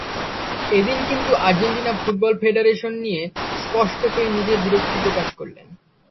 এদিন কিন্তু Argentina football federation নিয়ে স্পষ্টতই নিজের বিরক্তি প্রকাশ করলেন।